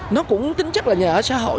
nó cũng tính chắc là nhà ở xã hội